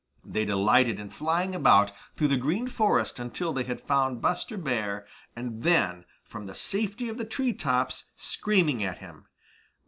They delighted in flying about through the Green Forest until they had found Buster Bear and then from the safety of the tree tops screaming at him.